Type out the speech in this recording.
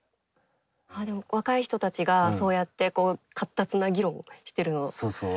あっでも若い人たちがそうやってこう闊達な議論をしてるの箭内さん